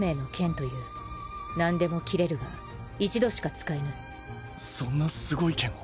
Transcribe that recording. なんでも斬れるが一度しか使えぬそんなすごい剣を？